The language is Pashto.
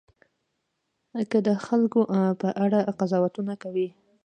که د خلکو په اړه قضاوتونه کوئ.